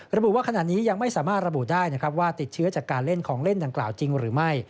ระบุว่าขณะนี้ยังไม่สามารถระบุได้นะครับว่าติดเชื้อจากการเล่นของเล่นดังกล่าวจริงหรือไม่